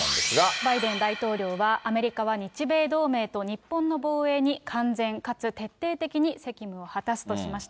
バイデン大統領はアメリカは日米同盟と日本の防衛に完全かつ徹底的に責務を果たすとしました。